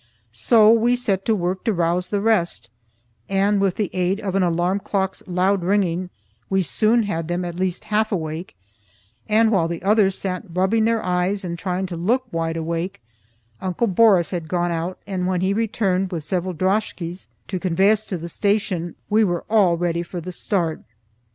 So we set to work to rouse the rest, and with the aid of an alarm clock's loud ringing, we soon had them at least half awake; and while the others sat rubbing their eyes and trying to look wide awake, Uncle Borris had gone out, and when he returned with several droskies to convey us to the station, we were all ready for the start.